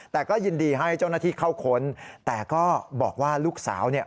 แต่ก็ยินดีให้เจ้าหน้าที่เข้าค้นแต่ก็บอกว่าลูกสาวเนี่ย